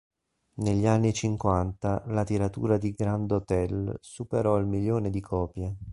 Negli anni cinquanta la tiratura di "Grand Hotel" superò il milione di copie.